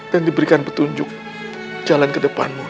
dan diberikan petunjuk jalan ke depanmu noh